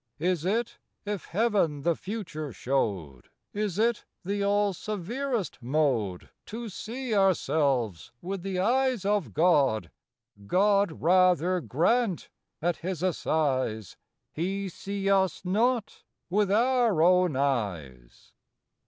Is it, if Heaven the future showed, Is it the all severest mode To see ourselves with the eyes of God? God rather grant, at His assize, He see us not with our own eyes!